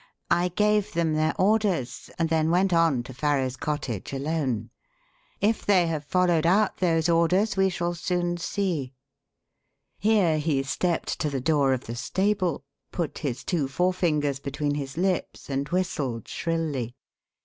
I gave them their orders and then went on to Farrow's cottage alone. If they have followed out those orders we shall soon see." Here he stepped to the door of the stable, put his two forefingers between his lips and whistled shrilly.